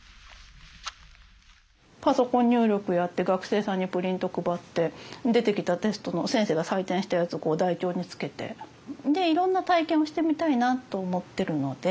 パソコン入力やって学生さんにプリント配って出てきたテストの先生が採点したやつをこう台帳につけて。でいろんな体験をしてみたいなと思ってるので。